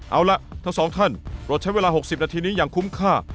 เอาล่ะทั้งสองท่านโปรดใช้เวลา๖๐นาทีนี้อย่างคุ้มค่า